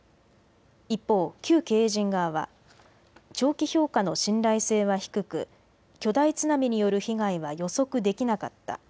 一方、旧経営陣側は長期評価の信頼性は低く巨大津波による被害は予測できなかった。